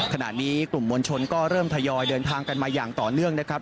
ขณะนี้กลุ่มมวลชนก็เริ่มทยอยเดินทางกันมาอย่างต่อเนื่องนะครับ